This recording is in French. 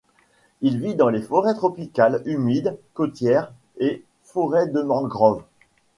Il vit dans les forêts tropicales humides côtières et forêts de mangrove.